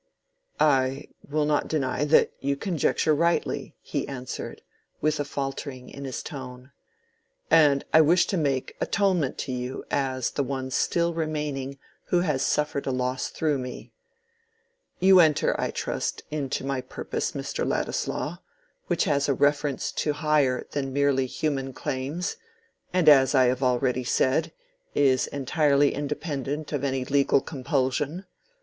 "I will not deny that you conjecture rightly," he answered, with a faltering in his tone. "And I wish to make atonement to you as the one still remaining who has suffered a loss through me. You enter, I trust, into my purpose, Mr. Ladislaw, which has a reference to higher than merely human claims, and as I have already said, is entirely independent of any legal compulsion.